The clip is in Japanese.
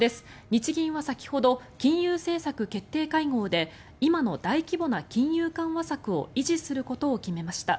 日銀は先ほど金融政策決定会合で今の大規模な金融緩和策を維持することを決めました。